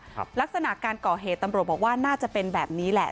ลักษณะการก่อเหตุตำรวจบอกว่าน่าจะเป็นแบบนี้แหละ